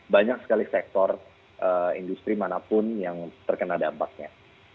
banyak sekali sektor industri manapun yang terkena dampaknya